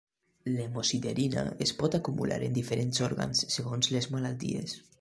L'hemosiderina es pot acumular en diferents òrgans segons les malalties.